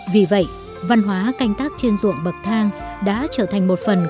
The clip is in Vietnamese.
vì vậy văn hóa canh tác trên ruộng bậc thang đã trở thành một phần không thể nhớ